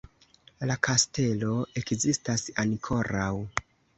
La kastelo ekzistas ankoraŭ.